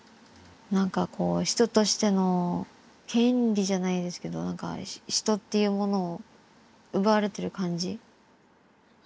何かこう人としての権利じゃないですけど何か人っていうものを奪われてる感じ。